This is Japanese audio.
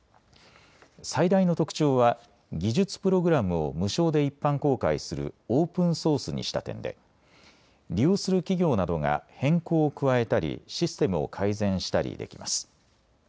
最大の特徴は技術プログラムを無償で一般公開するオープンソースにした点で利用する企業などが変更を加えたりシステムを改善したりできます。